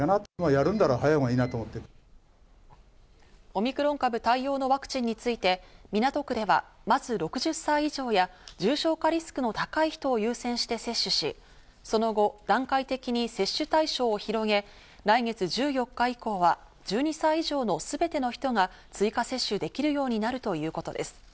オミクロン株対応のワクチンについて港区では、まず６０歳以上や重症化リスクの高い人を優先して接種し、その後、段階的に接種会場を広げ、来月１４日以降は１２歳以上のすべての人が追加接種できるようになるということです。